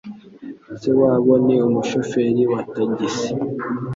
Se wabo ni umushoferi wa tagisi.